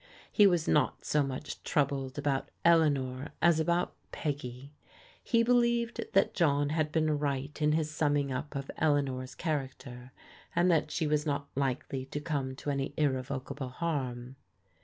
He was not so much troubled about Eleanor as about Peggy. He be lieved that John had been right in his summing up of Eleanor's character, and that she was not likely to come to any irrevocable harm.